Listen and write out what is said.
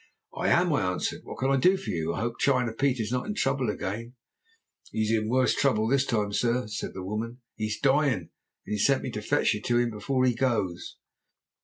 "'I am,' I answered. 'What can I do for you? I hope China Pete is not in trouble again?' "'He's in a worse trouble this time, sir,' said the woman. 'He's dyin', and he sent me to fetch you to 'im before he goes.'